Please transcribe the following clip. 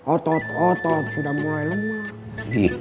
otot otot sudah mulai lemah